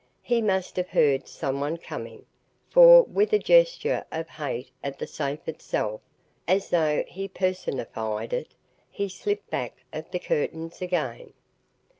He must have heard someone coming, for, with a gesture of hate at the safe itself, as though he personified it, he slipped back of the curtains again.